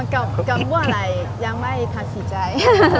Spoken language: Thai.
กลับเมื่อไหร่ยังไม่ทัศิใจ